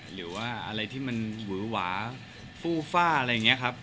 หรือว่าอะไรที่มันหวือหวาฟูฟ่าอะไรอย่างนี้ครับ